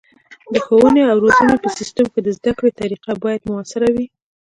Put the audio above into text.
د ښوونې او روزنې په سیستم کې د زده کړې طریقه باید مؤثره وي.